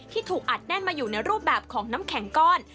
ถูกอัดแน่นมาอยู่ในรูปแบบของน้ำแข็งก้อน